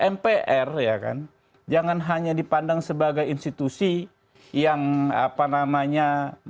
mpr ya kan jangan hanya dipandang sebagai institusi yang apa namanya